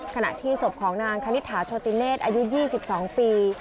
ขณะที่ศพของนางคณิตถาโชติเนศอายุ๒๒ปี